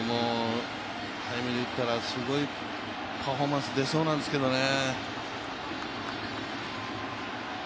タイムリー打ったらすごいパフォーマンス出そうなんですけどね。